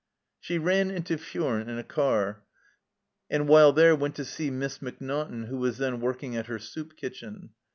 She ran into Furnes in a car, and while there went to see Miss Maciiaughtan, who was then working at her soup kitchen.